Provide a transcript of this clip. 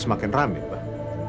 semakin ramit mbak